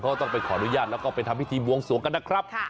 ก็ต้องไปขออนุญาตแล้วก็ไปทำพิธีบวงสวงกันนะครับ